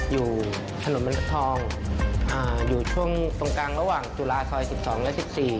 อยู่ถนนมนุษย์ทองอยู่ช่วงตรงกลางระหว่างจุฬาซอย๑๒และ๑๔